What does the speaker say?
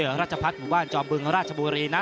จริงไปราชพลัทย์หมู่ว่านจอมบึงราชบุรีนะ